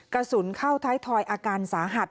กระสุนเข้าท้ายทอยอาการสาหัส